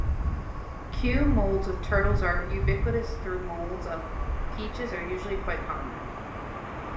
Kue moulds with turtles are ubiquitous, though moulds of peaches are usually quite common.